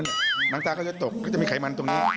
น้ำตาก็จะตกก็จะมีไขมันตรงนี้